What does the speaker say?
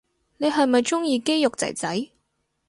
你係咪鍾意肌肉仔仔